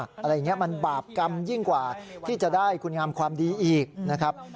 อะไรอย่างนี้มันบาปกรรมยิ่งกว่าที่จะได้คุณงามความดีอีกนะครับ